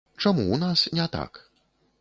Чаму ў нас не так?